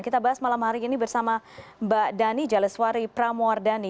kita bahas malam hari ini bersama mbak dhani jaleswari pramuardhani